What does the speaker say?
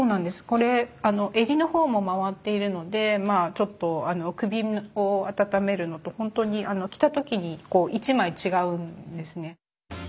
これ襟のほうも回っているのでまあちょっと首をあたためるのと本当に着たときに１枚違うんですね。